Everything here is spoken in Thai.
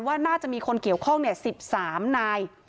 ว่าน่าจะมีคนเกี่ยวข้อง๑๓นาย